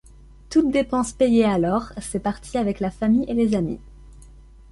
Toutes dépenses payées alors c'est parti avec la famille et les amis.